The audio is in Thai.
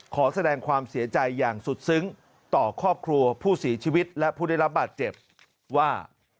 ขอแสดงความเสียใจอย่างสุดซึ้งต่อครอบครัวผู้เสียชีวิตและผู้ได้รับบาดเจ็บว่า